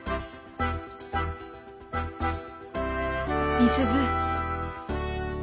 美鈴。